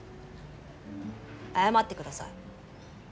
謝ってください。